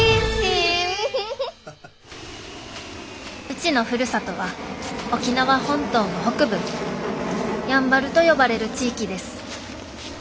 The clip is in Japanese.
うちのふるさとは沖縄本島の北部やんばると呼ばれる地域です。